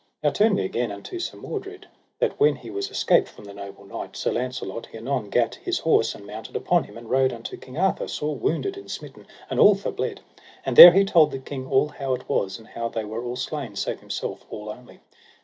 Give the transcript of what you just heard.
Now turn we again unto Sir Mordred, that when he was escaped from the noble knight, Sir Launcelot, he anon gat his horse and mounted upon him, and rode unto King Arthur, sore wounded and smitten, and all forbled; and there he told the king all how it was, and how they were all slain save himself all only.